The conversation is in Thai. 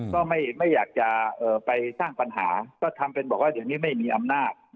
ก็ไม่อยากจะไปสร้างปัญหาก็ทำเป็นบอกว่าอย่างนี้ไม่มีอำนาจ